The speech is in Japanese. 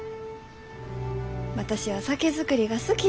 私は酒造りが好きじゃ。